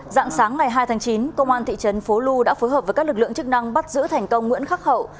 dạng sáng ngày hai tháng chín công an thị trấn phố lu đã phối hợp với các lực lượng chức năng bắt giữ thành công nguyễn khắc hậu